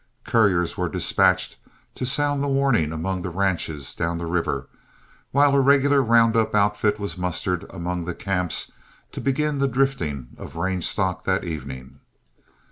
Couriers were dispatched to sound the warning among the ranches down the river, while a regular round up outfit was mustered among the camps to begin the drifting of range stock that evening.